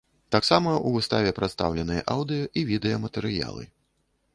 Таксама ў выставе прадстаўленыя аўдыё і відэаматэрыялы.